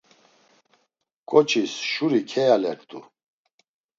K̆oçis şuri keyalert̆u.